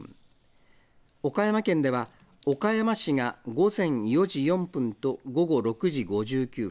岡山県では、岡山市が午前４時４分と午後６時５９分。